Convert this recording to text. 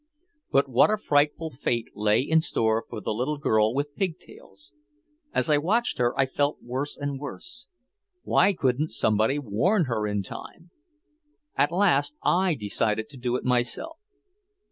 But what a frightful fate lay in store for the little girl with pig tails. As I watched her I felt worse and worse. Why couldn't somebody warn her in time? At last I decided to do it myself.